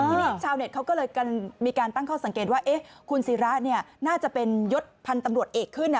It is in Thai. แล้วชาวเน็ตเขาก็เลยกันมีการตั้งข้อสังเกตว่าเอ๊ะคุณศิราเนี่ยน่าจะเป็นยศพันธ์ตำรวจเอกขึ้นอ่ะ